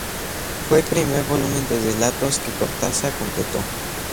Fue el primer volumen de relatos que Cortázar completó.